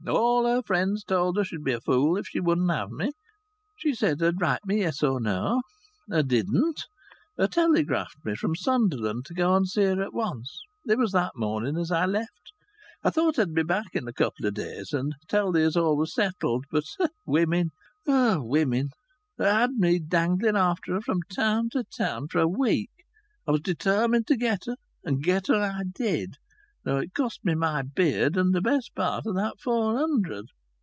All her friends told her she'd be a fool if she wouldn't have me. She said her'd write me yes or no. Her didn't. Her telegraphed me from Sunderland for go and see her at once. It was that morning as I left. I thought to be back in a couple o' days and to tell thee as all was settled. But women! Women! Her had me dangling after her from town to town for a week. I was determined to get her, and get her I did, though it cost me my beard, and the best part o' that four hundred.